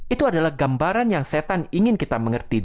itu adalah gambaran yang setan ingin kita mengerti